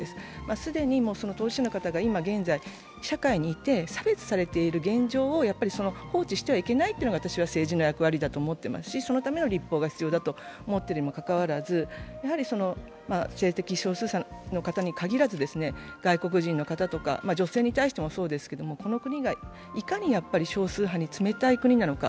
既に当事者の方が今現在、社会にいて差別されている現状を放置してはいけないというのが政治の役割だと私は思っているしそのための立法が必要だと思っているにもかかわらず、性的少数者の方に限らず外国人の方とか女性に対してもそうですけど、この国がいかに少数派に冷たい国なのか。